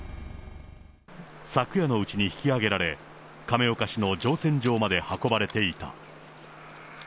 昨夜のうちに引き揚げられ、亀岡市の乗船場まで運ばれていた。